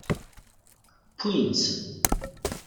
Wwin-tt.